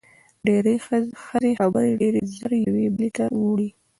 ډېری ښځې خبرې ډېرې زر یوې بلې ته وړي.